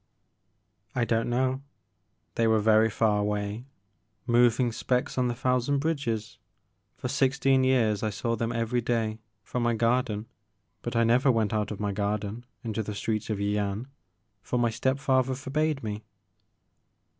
" I don't know. They were very far away, moving specks on the thousand bridges. Poi* sixteen years I saw them every day from my gar den but I never went out of my garden into the streets of Yian, for my step father forbade me.